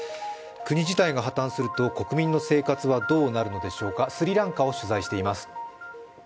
国自体が破綻すると国民の生活はどうなるのでしょうか、スリランカを取材しています。